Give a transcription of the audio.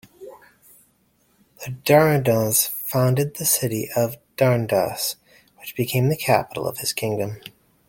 There Dardanus founded the city of Dardanus which became the capital of his kingdom.